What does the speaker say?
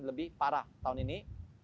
lebih parah tahun ini